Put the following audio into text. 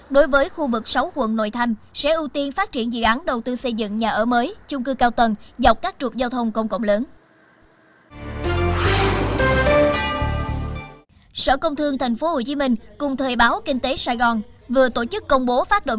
đối với khu vực sáu quận nội thành sẽ ưu tiên phát triển dự án đầu tư xây dựng nhà ở mới chung cư cao tầng dọc các trục giao thông công cộng lớn